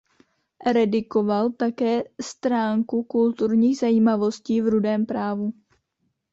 Redigoval také stránku kulturních zajímavostí v "Rudém právu".